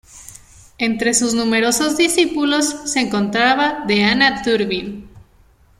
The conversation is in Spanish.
Entre sus numerosos discípulos se encontraba Deanna Durbin.